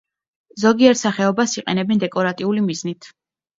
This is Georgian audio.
ზოგიერთ სახეობას იყენებენ დეკორატიული მიზნით.